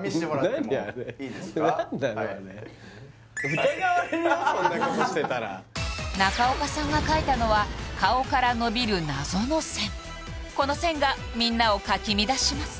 見してもらっても何あれ何なのあれ中岡さんが描いたのは顔から伸びる謎の線この線がみんなをかき乱します